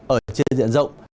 ở trên diện rộng